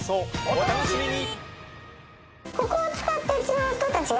お楽しみに。